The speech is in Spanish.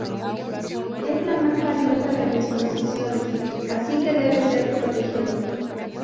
Es la más valiosa de mis posesiones, así que debe ser protegido".